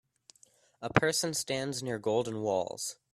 A person stands near golden walls.